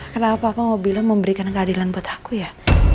kenapa aku mau bilang memberikan keadilan buat aku ya